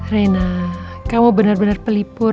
rena kamu benar benar pelipur